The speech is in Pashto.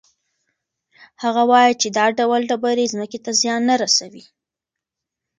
هغه وایي چې دا ډول ډبرې ځمکې ته زیان نه رسوي.